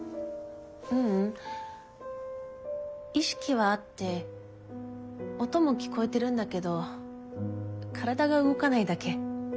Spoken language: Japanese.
ううん意識はあって音も聞こえてるんだけど体が動かないだけ。